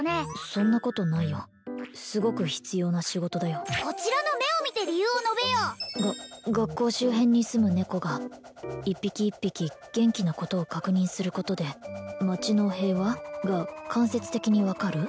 そんなことないよすごく必要な仕事だよこちらの目を見て理由を述べよが学校周辺にすむ猫が一匹一匹元気なことを確認することで町の平和？が間接的に分かる？